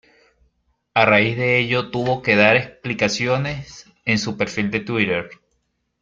A raíz de ello tuvo que dar explicaciones en su perfil de Twitter.